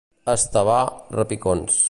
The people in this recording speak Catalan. A Estavar, repicons.